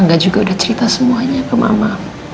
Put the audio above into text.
anda juga udah cerita semuanya ke mama